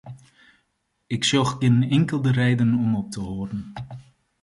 Ik sjoch gjin inkelde reden om op te hâlden.